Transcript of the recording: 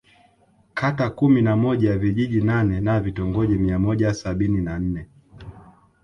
Kata kumi na moja vijiji nane na vitongoji mia moja sabini na nne